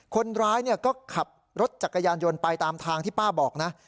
คนร้ายก็ขับรถจักรยานยนต์ไปตามทางที่ป้าบอกนะ